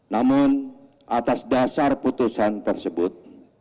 namun atas dasar putusan tersebut